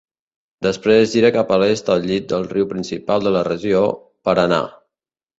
Després gira cap a l'est al llit del riu principal de la regió, Paranà.